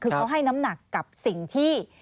คือเขาให้น้ำหนักกับสิ่งที่